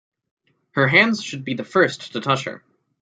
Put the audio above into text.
Her hands should be the first to touch her.